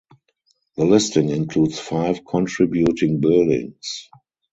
The listing includes five contributing buildings.